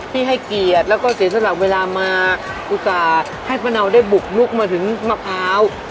ให้เกียรติแล้วก็เสียสละเวลามาอุตส่าห์ให้ป้าเนาได้บุกลุกมาถึงมะพร้าว